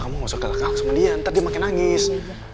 kamu gak usah kelak kelak sama dia nanti dia makin nangis